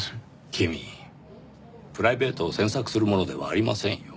君プライベートを詮索するものではありませんよ。